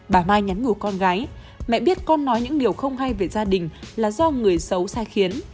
bà mai nhắn nhủ con gái mẹ biết con nói những điều không hay về gia đình là do người xấu sai khiến